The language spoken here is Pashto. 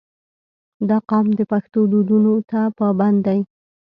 • دا قوم د پښتو دودونو ته پابند دی.